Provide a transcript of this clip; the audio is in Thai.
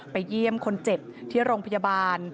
เยี่ยมคนเจ็บที่โรงพยาบาล